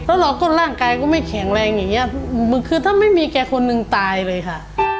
แล้วเราก็ร่างกายก็ไม่แข็งแรงอย่างนี้คือถ้าไม่มีแกคนหนึ่งตายเลยค่ะ